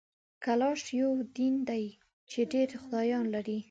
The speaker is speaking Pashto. کلاش یو دین دی چي ډېر خدایان لري